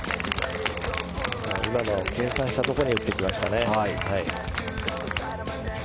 今のは計算したところに打っていきましたね。